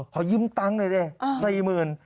ขอยิ้มตังค์เลยเนี่ย๔๐๐๐๐